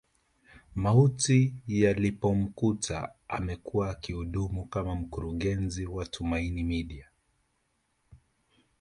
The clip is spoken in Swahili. Mauti yalipomkuta amekuwa akihudumu kama mkurungezi wa Tumaini Media